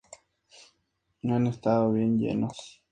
Es una subsidiaria de Geely.